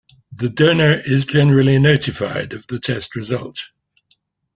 The donor is generally notified of the test result.